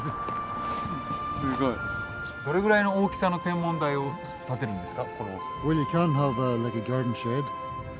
すごい。どれぐらいの大きさの天文台を建てるんですか？